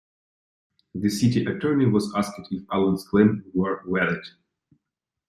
The city attorney was asked if Allan's claim were valid.